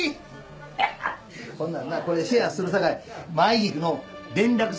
ほんならなこれシェアするさかい舞菊の連絡先教えて。